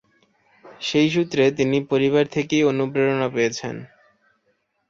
সেই সূত্রে তিনি পরিবার থেকেই অনুপ্রেরণা পেয়েছেন।